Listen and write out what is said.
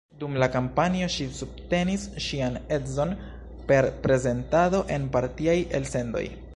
Dum la kampanjo ŝi subtenis ŝian edzon per prezentado en partiaj elsendoj.